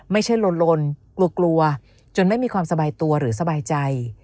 ไม่ใช่ลนกลัวกลัวจนไม่มีความสบายตัวหรือสบายใจ